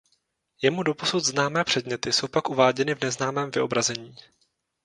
Jemu doposud známé předměty jsou pak uváděny v neznámém vyobrazení.